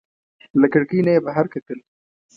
له کړکۍ نه یې بهر کتل.